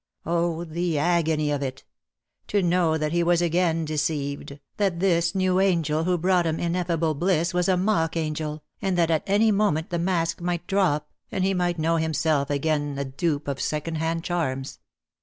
Oh, the agony of it; to know that he was again deceived , that this new angel who brought him in effable bliss was a mock angel, and that at any moment the mask might drop, and he might know himself again the dupe of second hand charms.